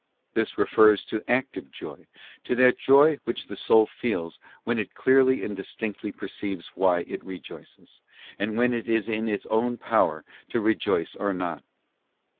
This refers to active joy, to that joy which the soul feels when it clearly and distinctly perceives why it rejoices, and when it is in its own power to rejoice or not.